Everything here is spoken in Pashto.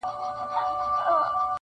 • د مینو اسوېلیو ته دي پام دی..